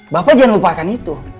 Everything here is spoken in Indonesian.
bapak jangan lupakan itu